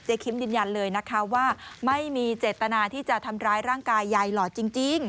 คิมยืนยันเลยนะคะว่าไม่มีเจตนาที่จะทำร้ายร่างกายยายหลอดจริง